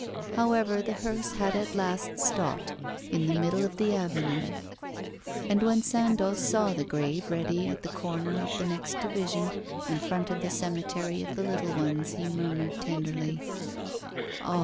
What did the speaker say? However, the hearse had at last stopped, in the middle of the avenue; and when Sandoz saw the grave ready at the corner of the next division, in front of the cemetery of the little ones, he murmured tenderly: 'Ah!